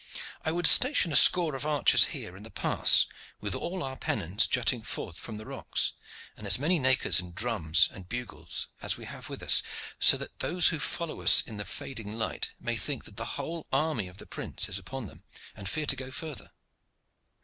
I would station a score of archers here in the pass, with all our pennons jutting forth from the rocks, and as many nakirs and drums and bugles as we have with us, so that those who follow us in the fading light may think that the whole army of the prince is upon them, and fear to go further.